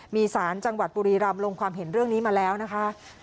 มีสารจังหวัดบุรีรำลงความเห็นเรื่องนี้มาแล้วนะคะ